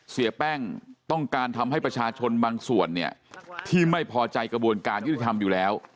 เสียแป้งต้องการทำให้ประชาชนบางส่วนเนี่ยที่ไม่พอใจกระบวนการยุติธรรมอยู่แล้ว